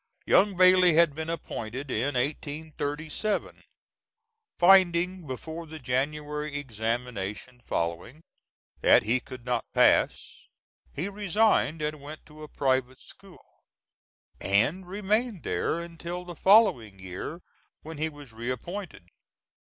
Young Bailey had been appointed in 1837. Finding before the January examination following, that he could not pass, he resigned and went to a private school, and remained there until the following year, when he was reappointed.